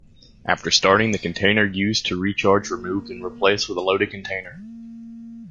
After starting the container used to recharge removed and replaced with a loaded container.